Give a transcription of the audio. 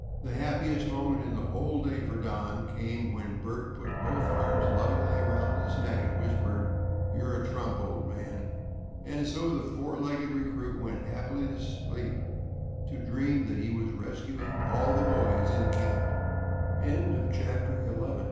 The happiest moment in the whole day for Don came when Bert put both arms lovingly around his neck and whispered, "You're a trump, old man." And so the four legged recruit went happily to sleep to dream that he was rescuing all the boys in camp. CHAPTER XII THE YOUNGST